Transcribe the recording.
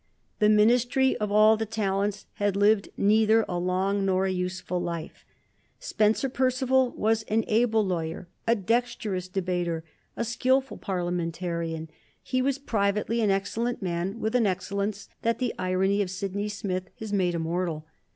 The Ministry of All the Talents had lived neither a long nor a useful life. Spencer Perceval was an able lawyer, a dexterous debater, a skilful Parliamentarian. He was privately an excellent man, with an excellence that the irony of Sydney Smith has made immortal.